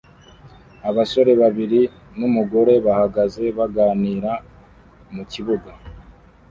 Abasore babiri numugore bahagaze baganira mukibuga